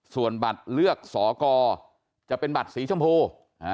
ส่วนบัตรเลือกสอกรจะเป็นบัตรสีชมพู